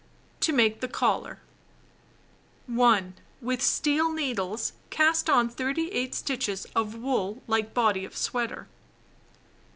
To Make the Collar 1. With steel needles cast on 38 stitches of wool like body of sweater.